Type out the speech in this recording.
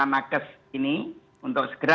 naga ini untuk segera